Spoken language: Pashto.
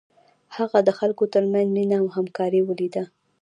هغه د خلکو تر منځ مینه او همکاري ولیده.